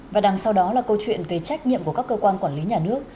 và đằng sau đó là câu chuyện về trách nhiệm của các cơ quan quản lý nhà nước